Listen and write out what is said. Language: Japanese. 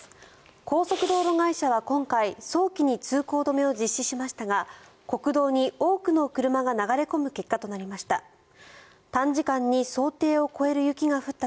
高速道路会社は今回、早期に通行止めを実施しましたが国道に多くの車が流れ込む結果となりました。